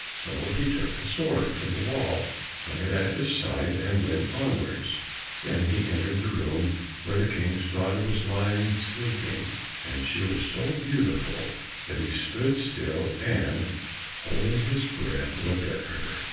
So he took the sword from the wall, hung it at his side and went onwards: then he entered the room where the King's daughter was lying sleeping, and she was so beautiful that he stood still and, holding his breath, looked at her.